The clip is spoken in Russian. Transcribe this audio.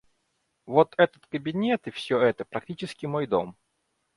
Вот этот кабинет и все это - практически мой дом.